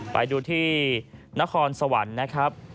ไปดูนาคอนสวรรค์นะครับ